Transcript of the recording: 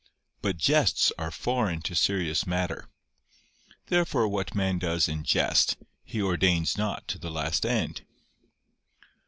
But jests are foreign to serious matter. Therefore what man does in jest, he ordains not to the last end.